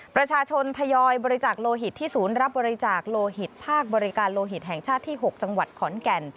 ประชาชนทยอยบริจาคโลหิตที่ศูนย์รับบริจาคโลหิตภาคบริการโลหิตแห่งชาติที่๖จังหวัดขอนแก่น